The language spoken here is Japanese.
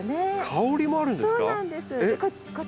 香りもあるんですか？